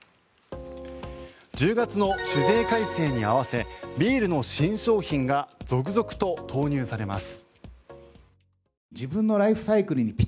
１０月の酒税改正に合わせビールの新商品が続々と投入されます。